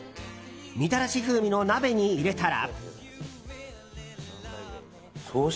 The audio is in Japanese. みたらし風味の鍋に入れたら。